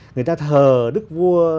người ta thờ đức vua